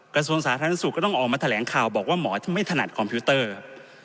กระทรวงสาธารณสุขก็ต้องออกมาแถลงข่าวบอกว่าหมอที่ไม่ถนัดคอมพิวเตอร์ครับ